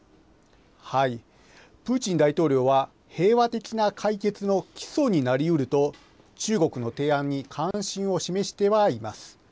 プーチン大統領は平和的な解決の基礎になりうると、中国の提案に関心を示してはいます。